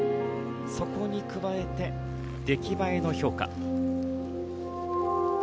そこに加えて出来栄えの評価。